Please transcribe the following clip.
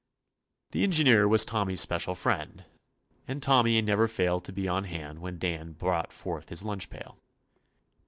The engineer was Tommy's espe cial friend, and Tommy never failed to be on hand when Dan brought forth his lunch pail.